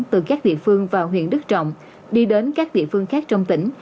từ các địa phương và huyện đức trọng đi đến các địa phương khác trong tỉnh